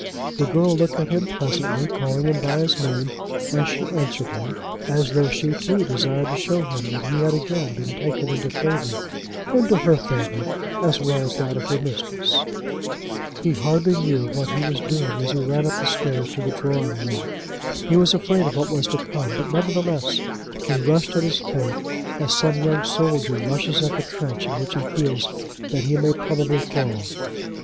The girl looked at him pleasantly, calling him by his name as she answered him, as though she too desired to show him that he had again been taken into favour, into her favour as well as that of her mistress. He hardly knew what he was doing as he ran up the steps to the drawing room. He was afraid of what was to come; but nevertheless he rushed at his fate as some young soldier rushes at the trench in which he feels that he may probably fall.